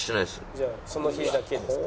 「じゃあその日だけですか？」。